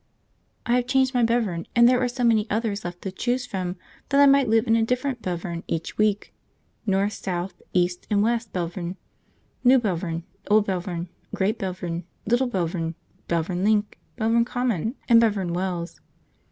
I have changed my Belvern, and there are so many others left to choose from that I might live in a different Belvern each week. North, South, East, and West Belvern, New Belvern, Old Belvern, Great Belvern, Little Belvern, Belvern Link, Belvern Common, and Belvern Wells.